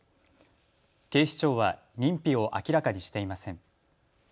警視庁は認否を明らかにしていません。